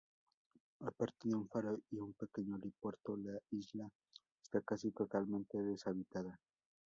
Aparte de un faro y un pequeño helipuerto, la isla esta casi totalmente deshabitada.